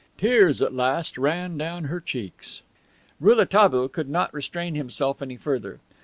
Tears, at last, ran down her cheeks. Rouletabille could not restrain himself any further.